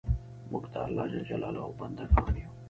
موږ د الله ج بندګان یو